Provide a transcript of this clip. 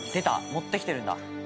持ってきてるんだ。